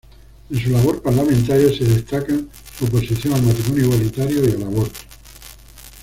En su labor parlamentaria, se destacan su oposición al matrimonio igualitario y al aborto.